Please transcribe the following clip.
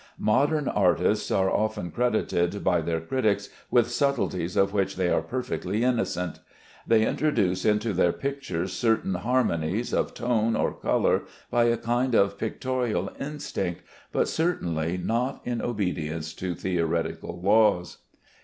Modern artists are often credited by their critics with subtleties of which they are perfectly innocent. They introduce into their pictures certain harmonies of tone or color by a kind of pictorial instinct, but certainly not in obedience to theoretical laws.